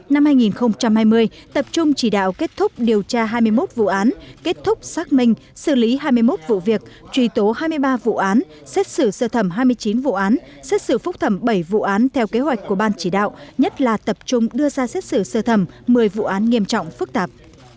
năm hai nghìn hai mươi tập trung chỉ đạo kết thúc điều tra hai mươi một vụ án kết thúc xác minh xử lý hai mươi một vụ việc truy tố hai mươi ba vụ án xét xử sơ thẩm hai mươi chín vụ án xét xử phúc thẩm bảy vụ án theo kế hoạch của ban chỉ đạo nhất là tập trung đưa ra xét xử sơ thẩm một mươi vụ án nghiêm trọng phức tạp